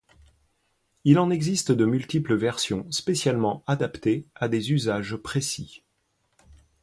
Il en existe de multiples versions spécialement adaptées à des usages précis.